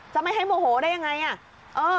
จะไม่ให้โมโหได้ยังไงอ่ะ